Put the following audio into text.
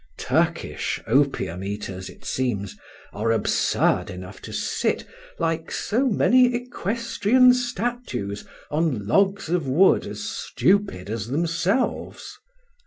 Turkish opium eaters, it seems, are absurd enough to sit, like so many equestrian statues, on logs of wood as stupid as themselves.